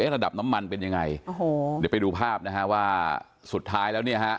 ระดับน้ำมันเป็นยังไงโอ้โหเดี๋ยวไปดูภาพนะฮะว่าสุดท้ายแล้วเนี่ยฮะ